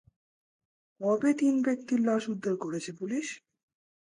কবে তিন ব্যক্তির লাশ উদ্ধার করেছে পুলিশ?